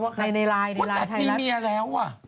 หมูจัดมีเมียแล้วว่ะ